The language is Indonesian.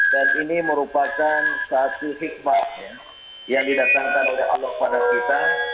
dan ini merupakan satu hikmah yang didatangkan oleh allah pada kita